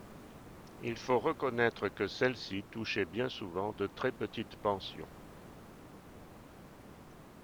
Il faut reconnaître que celles-ci touchaient bien souvent de très petites pensions.